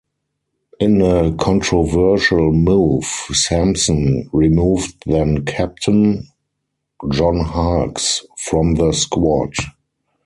In a controversial move, Sampson removed then captain, John Harkes from the squad.